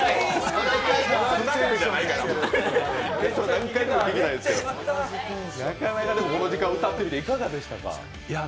何回も聞きたいですけど、なかなかね、この時間、歌ってみていかがでしたか？